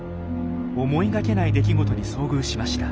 思いがけない出来事に遭遇しました。